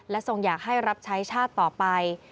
ทรงอยากให้รับใช้ชาติต่อไป